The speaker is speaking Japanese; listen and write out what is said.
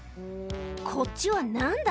こっちは何だ？